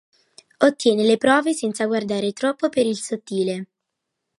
Ottiene le prove senza guardare troppo per il sottile.